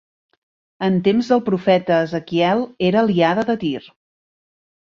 En temps del profeta Ezequiel era aliada de Tir.